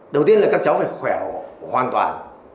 đầu tiên là các cháu phải khỏe hoàn toàn